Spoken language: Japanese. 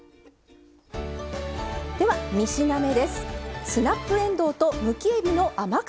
では３品目です。